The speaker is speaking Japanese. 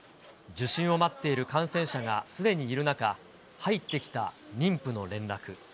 受診を待っている感染者がすでにいる中、入ってきた妊婦の連絡。